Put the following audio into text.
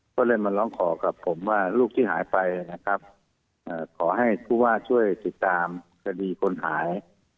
ก็เลยมาร้องขอกับผมว่าลูกที่หายไปนะครับขอให้ผู้ว่าช่วยติดตามคดีคนหาย